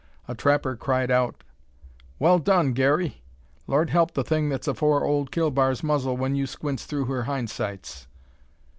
A trapper cried out "Well done, Garey! Lord help the thing that's afore old Killbar's muzzle when you squints through her hind sights."